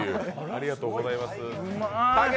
ありがとうございます。